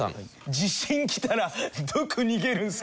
地震きたらどこ逃げるんすか。